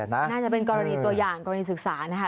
น่าจะเป็นกรณีตัวอย่างกรณีศึกษานะคะ